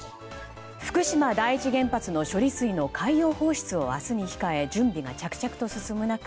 福島第一原発の処理水の海洋放出を明日に控え準備が着々と進む中